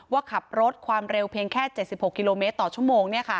ว่าขับรถความเร็วเพียงแค่๗๖กิโลเมตรต่อชั่วโมง